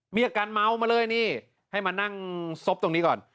มีอาการเมามาเลยนี่ให้มานั่งซบตรงนี้ก่อน